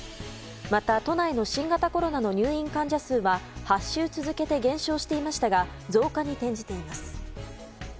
また、都内の新型コロナの入院患者数は８週続けて減少していましたが増加に転じています。